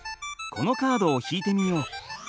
このカードを引いてみよう！